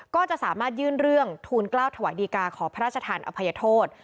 ก็จะสามารถยื่นเรื่องทูลกล้าวถวายดีกาขอพระราชทานอภัยโทษ